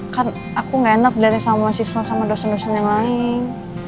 kan aku gak enak dari sama siswa sama dosen dosen yang lain